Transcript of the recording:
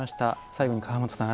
最後に、川本さん